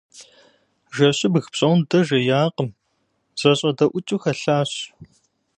Жэщыбг пщӏондэ жеякъым - зэщӏэдэӏукӏыу хэлъащ.